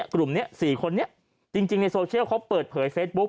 กลุ่มนี้๔คนนี้จริงในโซเชียลเขาเปิดเผยเฟซบุ๊ค